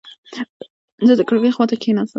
زه د کړکۍ خواته کېناستم.